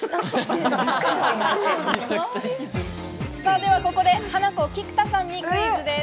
ではここでハナコ・菊田さんにクイズです。